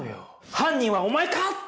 犯人はお前かって